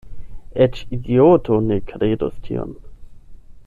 Eĉ idioto ne kredus tion.